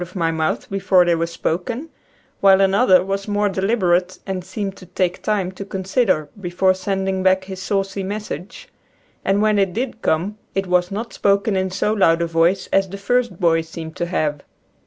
of my mouth before they were spoken, while another was more deliberate and seemed to take time to consider before sending back his saucy message, and when it did come it was not spoken in so loud a voice as the first boy seemed to have.